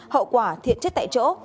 hậu quả thiện chết tại chỗ